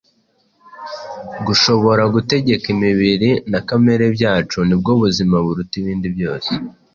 Gushobora gutegeka imibiri na kamere byacu nibwo buzima buruta ibindi byose.